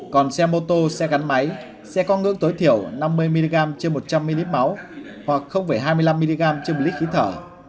còn xe mô tô xe gắn máy sẽ có ngưỡng tối thiểu năm mươi mg trên một trăm linh ml máu hoặc hai mươi năm mg trên một lít khí thở